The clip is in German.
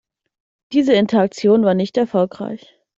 Diese Interaktion war nicht erfolgreich.